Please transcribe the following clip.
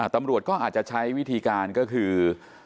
ตำรวจก็อาจจะใช้วิธีการก็คือ